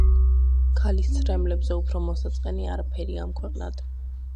ქალის ცრემლებზე უფრო მოსაწყენი, არაფერია ამქვეყნად